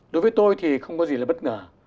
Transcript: đối với tôi thì không có gì là bất ngờ